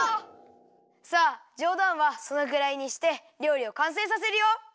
さあじょうだんはそのぐらいにしてりょうりをかんせいさせるよ！